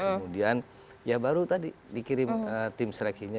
kemudian ya baru tadi dikirim tim seleksinya